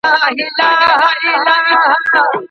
شيطانان په خلکو باندي مختلف جرمونه ترسره کوي.